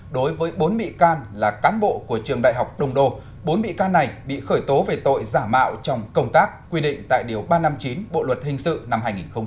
đối với bốn bị can là cán bộ của trường đại học đông đô bốn bị can này bị khởi tố về tội giả mạo trong công tác quy định tại điều ba trăm năm mươi chín bộ luật hình sự năm hai nghìn một mươi năm